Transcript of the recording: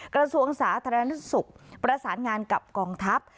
กระทรวงสาธารณสุขประสานงานกับกองทัพ